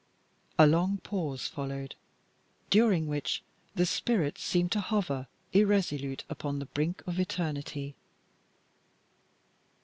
A long pause followed, during which the spirit seemed to hover irresolute upon the brink of eternity.